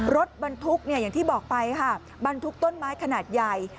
รถบรรทุกอย่างที่บอกไปค่ะบรรทุกต้นไม้ขนาดใหญ่